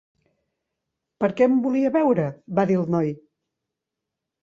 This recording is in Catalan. "Per què em volia veure?", va dir el noi.